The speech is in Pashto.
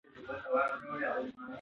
شدید میل د میاشتنۍ ناروغۍ سره تړاو لري.